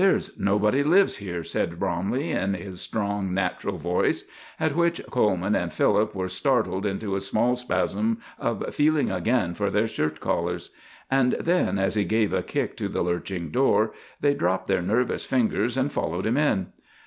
] "There's nobody lives here," said Bromley, in his strong, natural voice, at which Coleman and Philip were startled into a small spasm of feeling again for their shirt collars; and then, as he gave a kick to the lurching door, they dropped their nervous fingers and followed him in.